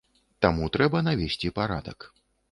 Таму трэба навесці парадак.